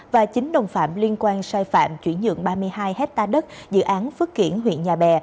và chín đồng phạm liên quan sai phạm chuyển nhượng ba mươi hai hectare đất dự án phước kiển huyện nhà bè